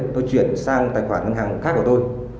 tôi chuyển sang tài khoản ngân hàng khác của tôi